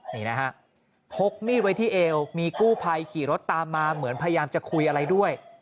นี่นะฮะพกมีดไว้ที่เอวมีกู้ภัยขี่รถตามมาเหมือนพยายามจะคุยอะไรด้วย